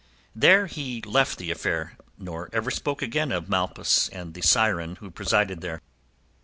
There he left the affair, nor ever spoke again of Malpas and the siren who presided there.